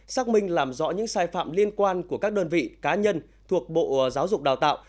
xác minh làm rõ những sai phạm liên quan của các đơn vị cá nhân thuộc bộ giáo dục đào tạo